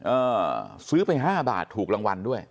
เออซื้อไปห้าบาทถูกรางวัลด้วย